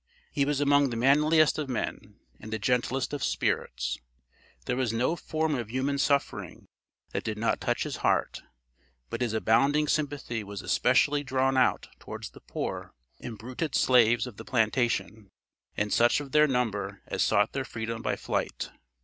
He was among the manliest of men, and the gentlest of spirits. There was no form of human suffering that did not touch his heart; but his abounding sympathy was especially drawn out towards the poor, imbruted slaves of the plantation, and such of their number as sought their freedom by flight.